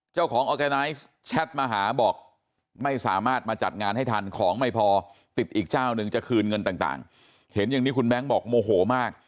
ออร์แกไนซ์แชทมาหาบอกไม่สามารถมาจัดงานให้ทันของไม่พอติดอีกเจ้านึงจะคืนเงินต่างเห็นอย่างนี้คุณแบงค์บอกโมโหมาก